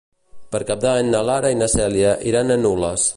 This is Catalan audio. Per Cap d'Any na Lara i na Cèlia iran a Nules.